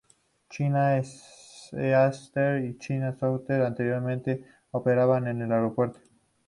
China Eastern y China Southern anteriormente operaban en el aeropuerto.